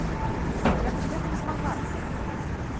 Як з гэтым змагацца?